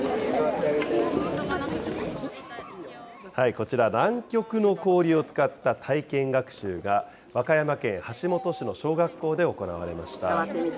こちら、南極の氷を使った体験学習が、和歌山県橋本市の小学校で行われました。